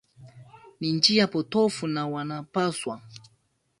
ni njia potofu na wanapaswa